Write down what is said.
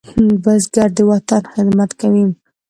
بزګر د وطن خدمت کوي